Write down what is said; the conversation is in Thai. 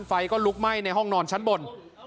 ไฟก็ลุกไหม้ในห้องนอนชั้นบน